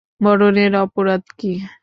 মরণের অপরাধ কী?